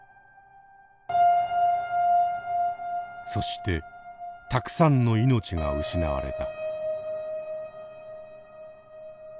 そしてたくさんの命が失われた。